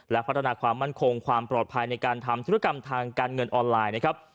และพัฒนาความมั่นคงความปลอดภัยในการทำธุรกรรมทางการเงินออนไลน์นะครับ